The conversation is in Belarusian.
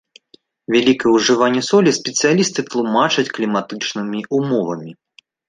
Вялікае ўжыванне солі спецыялісты тлумачаць кліматычнымі ўмовамі.